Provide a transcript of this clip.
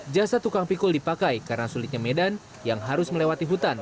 jasa tukang pikul dipakai karena sulitnya medan yang harus melewati hutan